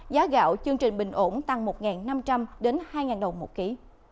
giá gạo chương trình bình ổn tăng một năm trăm linh đến hai đồng một ký